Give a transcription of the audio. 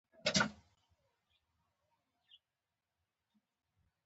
• صداقت د بریا زینه ده.